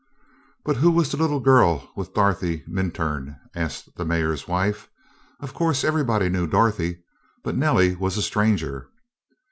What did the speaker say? "But who was the little girl with Dorothy Minturn?" asked the mayor's wife. Of course everybody knew Dorothy, but Nellie was a stranger.